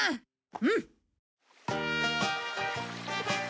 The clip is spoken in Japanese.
うん！